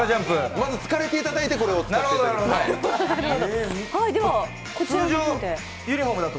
まず疲れていただいて、これを使っていただくと。